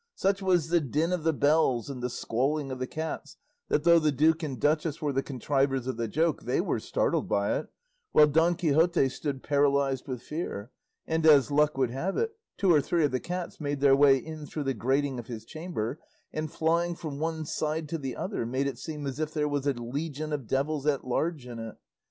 Such was the din of the bells and the squalling of the cats, that though the duke and duchess were the contrivers of the joke they were startled by it, while Don Quixote stood paralysed with fear; and as luck would have it, two or three of the cats made their way in through the grating of his chamber, and flying from one side to the other, made it seem as if there was a legion of devils at large in it.